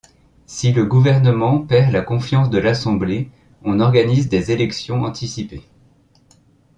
Si le gouvernement perd la confiance de l'assemblée on organise des élections anticipées.